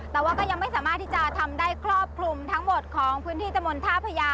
แต่ว่าก็ยังไม่สามารถที่จะทำได้ครอบคลุมทั้งหมดของพื้นที่ตะมนต์ท่าพญา